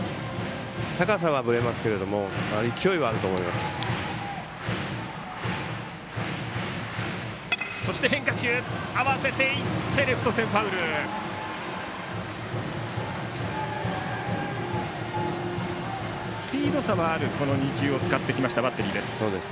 高さはぶれますけども勢いはあると思います。